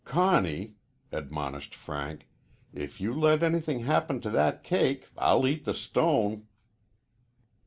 "Conny," admonished Frank, "if you let anything happen to that cake I'll eat the stone."